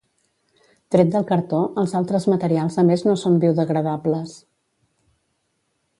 Tret del cartó els altres materials a més no són biodegradables.